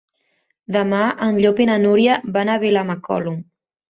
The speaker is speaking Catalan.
Demà en Llop i na Núria van a Vilamacolum.